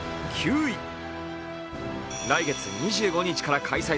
来月２５日から開催